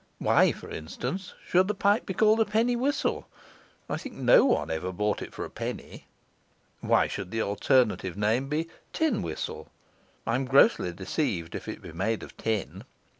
Why, for instance, should the pipe be called a penny whistle? I think no one ever bought it for a penny. Why should the alternative name be tin whistle? I am grossly deceived if it be made of tin.